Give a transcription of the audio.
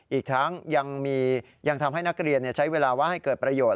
อีกทั้งยังทำให้นักเรียนใช้เวลาว่างให้เกิดประโยชน